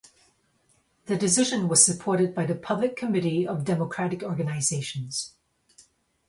The decision was supported by the Public Committee of Democratic Organisations.